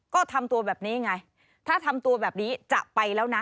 ก็ทำตัวแบบนี้ไงถ้าทำตัวแบบนี้จะไปแล้วนะ